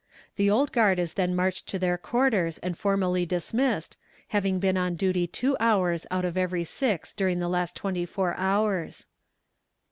The old guard is then marched to their quarters and formally dismissed, having been on duty two hours out of every six during the last twenty four hours.